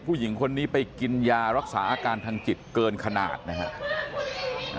ผู้หญิงคนนี้ไปกินยารักษาอาการทางจิตเกินขนาดนะครับ